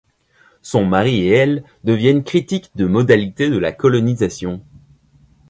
Son mari et elle deviennent critiques des modalités de la colonisation.